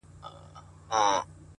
هر منزل د نوې موخې پیل ګرځي’